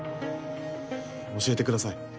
教えてください